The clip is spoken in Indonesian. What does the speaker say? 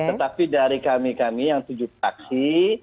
tetapi dari kami kami yang tujuh taksi